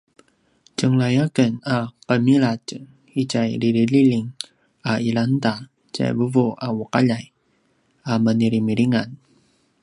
tjenglay a ken a qemiladj itja liljililjing a ilangda tjai vuvuaqaljay a menilimilingan